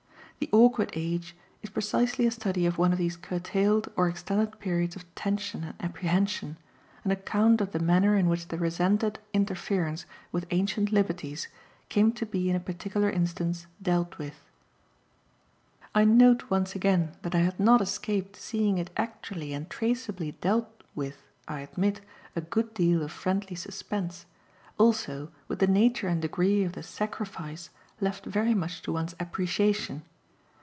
"The Awkward Age" is precisely a study of one of these curtailed or extended periods of tension and apprehension, an account of the manner in which the resented interference with ancient liberties came to be in a particular instance dealt with. I note once again that I had not escaped seeing it actually and traceably dealt with (I admit) a good deal of friendly suspense; also with the nature and degree of the "sacrifice" left very much to one's appreciation.